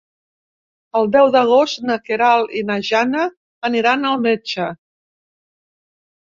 El deu d'agost na Queralt i na Jana aniran al metge.